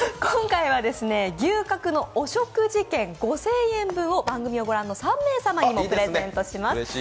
今回は牛角の御食事券５０００円分を番組を御覧の３名様にもプレゼントします。